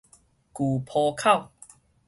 舊坡口